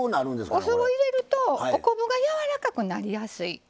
お酢を入れるとお昆布がやわらかくなりやすい。